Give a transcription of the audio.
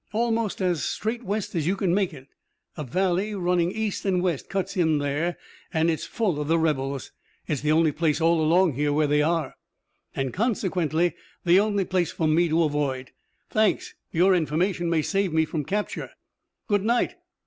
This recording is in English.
"Almost as straight west as you can make it. A valley running east and west cuts in there and it's full of the rebels. It's the only place all along here where they are." "And consequently the only place for me to avoid. Thanks. Your information may save me from capture. Good night."